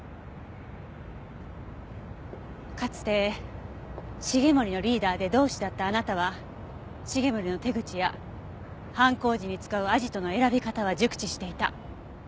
かつて繁森のリーダーで同志だったあなたは繁森の手口や犯行時に使うアジトの選び方は熟知していた。